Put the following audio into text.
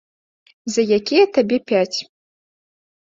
За якія табе пяць.